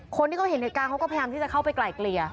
คนที่เขาเห็นเหตุการณ์เขาก็พยายามที่จะเข้าไปไกลเกลี่ย